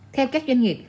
theo các doanh nghiệp